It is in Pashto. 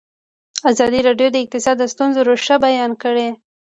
ازادي راډیو د اقتصاد د ستونزو رېښه بیان کړې.